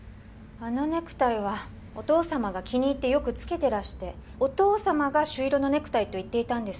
あのネクタイはお義父様が気に入ってよくつけてらしてお義父様が朱色のネクタイと言っていたんです